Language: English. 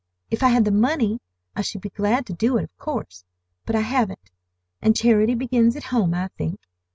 If I had the money I should be glad to do it, of course. But I haven't, and charity begins at home I think.